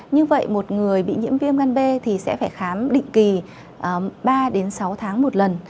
như vậy một người bị nhiễm viêm gan b thì sẽ phải khám định kỳ ba đến sáu tháng một lần